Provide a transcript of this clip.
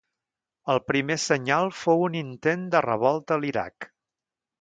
El primer senyal fou un intent de revolta a l'Iraq.